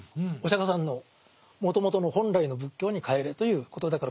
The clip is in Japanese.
お釈迦さんのもともとの本来の仏教に返れということ。